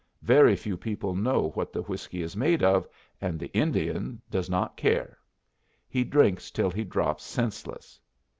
Very few people know what the whiskey is made of, and the Indian does not care. He drinks till he drops senseless.